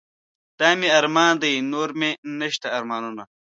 دا مې ارمان دے نور مې نشته ارمانونه